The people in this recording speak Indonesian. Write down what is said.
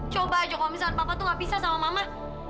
coba aja kalau misalkan papa tuh gak bisa sama mama